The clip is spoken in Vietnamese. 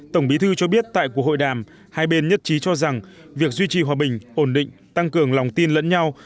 tổng bí thư cho biết tại cuộc hội đàm hai bên nhất trí cho rằng việc duy trì hòa bình ổn định tăng cường lòng tin lẫn nhau